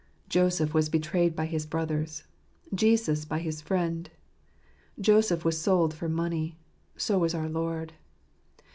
Joseph was betrayed by his brothers ; Jesus by His friend. Joseph was sold for money; so was our Lord.